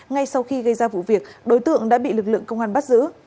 ngay sau khi gây ra vụ việc đối tượng đã bị lực lượng công an bắt giữ